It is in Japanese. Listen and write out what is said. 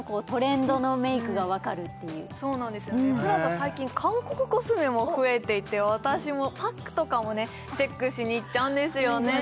最近韓国コスメも増えていて私もパックとかもねチェックしに行っちゃうんですよね